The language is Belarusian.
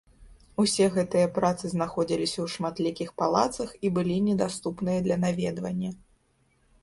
Усе гэтыя працы знаходзіліся ў шматлікіх палацах і былі недаступныя для наведвання.